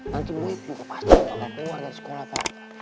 nanti boy buka pasangnya gak keluar dari sekolah pak